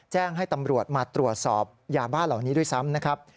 แจ้งให้ตำรวจมาตรวจสอบยาบ้าเหล่านี้ด้วยซ้ำนะครับ